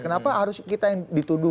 kenapa harus kita yang dituduh